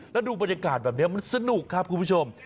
แล้วดูบรรยากาศแบบนี้มันสนุกครับคุณผู้ชม